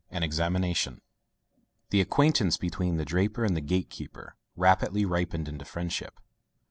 AN EXAMINATION. The acquaintance between the draper and the gate keeper rapidly ripened into friendship.